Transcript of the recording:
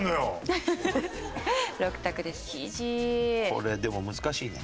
これでも難しいね。